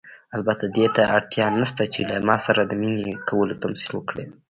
البته دې ته اړتیا نشته چې له ما سره د مینې کولو تمثیل وکړئ.